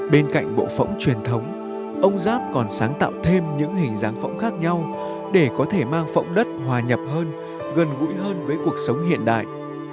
bên cạnh bộ phẫu truyền thống ông giáp còn sáng tạo thêm những hình dáng phẫu khác nhau để có thể mang phẫu đất hòa nhập hơn gần gũi hơn với cuộc sống hiện đại